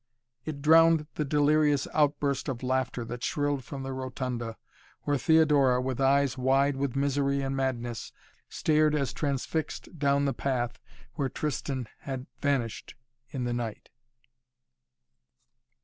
It drowned the delirious outburst of laughter that shrilled from the rotunda where Theodora, with eyes wide with misery and madness, stared as transfixed down the path where Tristan had vanished in the night.